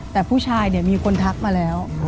แต่ผู้ชายเนี่ยมีคนทักมาแล้ว